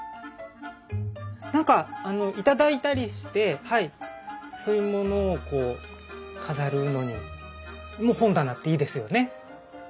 なんかいただいたりしてそういうものをこう飾るのにも本棚っていいですよね。